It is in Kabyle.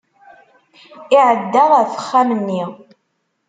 Iɛedda ɣef uxxam-nni.